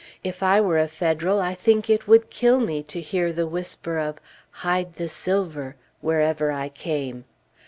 If I were a Federal, I think it would kill me to hear the whisper of "Hide the silver" wherever I came.